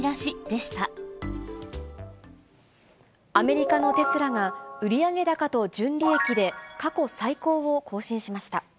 アメリカのテスラが、売上高と純利益で過去最高を更新しました。